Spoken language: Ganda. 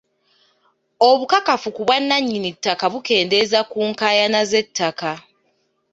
Obukakafu ku bwannanyinittaka bukendeeza ku nkaayana z'ettaka.